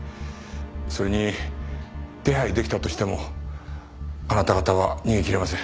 それに手配出来たとしてもあなた方は逃げきれません。